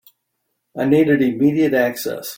I needed immediate access.